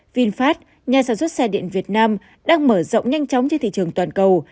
vinfast nhà sản xuất xe điện việt nam đang mở rộng nhanh chóng trên thị trường toàn cầu